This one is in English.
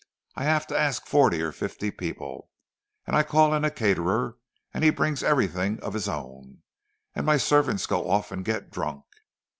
I have to ask forty or fifty people, and I call in a caterer, and he brings everything of his own, and my servants go off and get drunk.